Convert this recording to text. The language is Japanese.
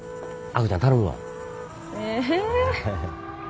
亜子ちゃん頼むわ。